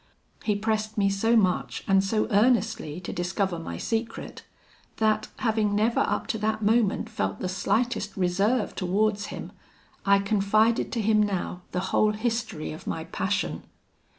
He pressed me so much and so earnestly to discover my secret, that, having never up to that moment felt the slightest reserve towards him, I confided to him now the whole history of my passion.